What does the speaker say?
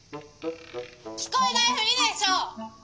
「聞こえないふりでしょ！」。